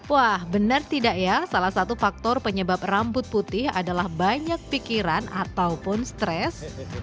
wah benar tidak ya salah satu faktor penyebab rambut putih adalah banyak pikiran ataupun stres